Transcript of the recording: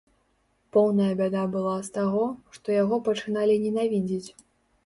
Поўная бяда была з таго, што яго пачыналі ненавідзець.